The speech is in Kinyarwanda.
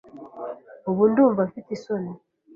Ubu ndumva mfite isoni.